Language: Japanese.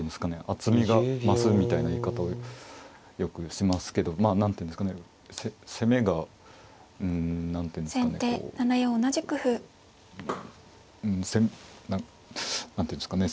厚みが増すみたいな言い方をよくしますけどまあ何ていうんですかね攻めがうん何ていうんですかねこう何ていうんですかね